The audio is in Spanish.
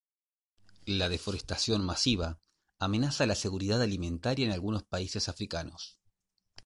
La deforestación masiva amenaza la seguridad alimentaria en algunos países africanos.